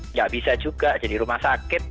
nggak bisa juga jadi rumah sakit